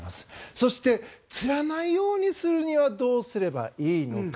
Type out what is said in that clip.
そしてつらないようにするにはどうすればいいのか。